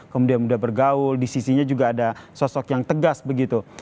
kemudian sudah bergaul di sisinya juga ada sosok yang tegas begitu